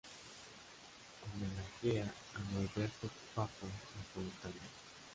Homenajea a Norberto "Pappo" Napolitano.